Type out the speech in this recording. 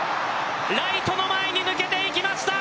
ライトの前に抜けていきました。